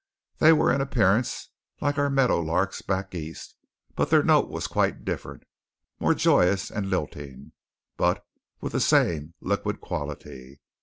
They were in appearance like our meadow larks back east, but their note was quite different; more joyous and lilting, but with the same liquid quality.